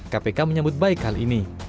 kpk menyambut baik hal ini